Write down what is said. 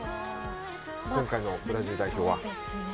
今回のブラジル代表は。